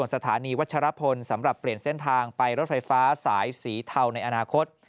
สถานีวัชรพลสำหรับเปลี่ยนเส้นทางไปรถไฟฟ้าสายสีเทาในอนาคต